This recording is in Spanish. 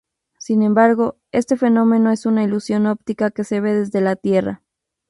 Sin embargo, este fenómeno es una ilusión óptica que se ve desde la Tierra.